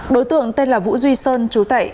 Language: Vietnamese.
đối tượng tên là vũ duy sơn chú tậy